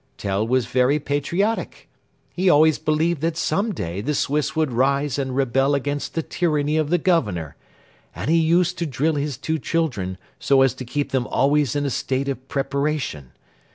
Tell was very patriotic. He always believed that some day the Swiss would rise and rebel against the tyranny of the Governor, and he used to drill his two children so as to keep them always in a state of preparation.